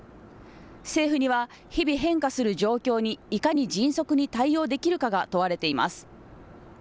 政府には日々変化する状況にいかに迅速に対応できるかが問われています。